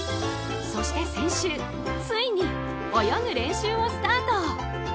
そして先週ついに泳ぐ練習をスタート。